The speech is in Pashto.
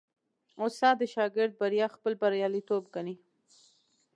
استاد د شاګرد بریا خپل بریالیتوب ګڼي.